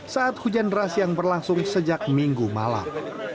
saat hujan deras yang berlangsung sejak minggu malam